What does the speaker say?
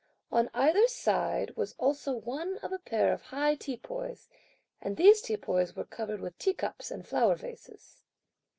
On either side, was also one of a pair of high teapoys, and these teapoys were covered with teacups and flower vases.